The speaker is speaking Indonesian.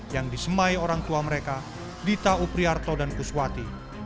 yang disemai orang tua mereka dita upriarto dan kuswati